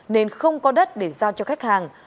nên không có đất để giao cho khách hàng